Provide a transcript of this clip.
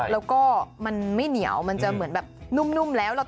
แล้วก็มันไม่เหนียวมันจะเหมือนแบบนุ่มแล้ว